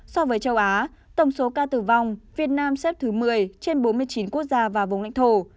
so với châu á tổng số ca tử vong việt nam xếp thứ một mươi trên bốn mươi chín quốc gia và vùng lãnh thổ